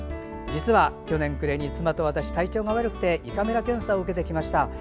実は、去年暮れに妻と私体調が悪く胃カメラ検査を受けてきました。